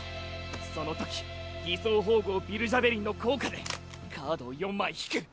そのとき偽槍縫合ヴィルジャベリンの効果でカードを４枚引く。